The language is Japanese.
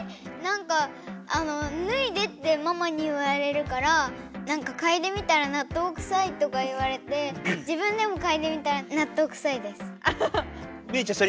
なんか「ぬいで」ってママに言われるからなんかかいでみたら「納豆くさい」とか言われて自分でもかいでみたら納豆くさいです。